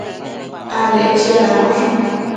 adec chiadanosh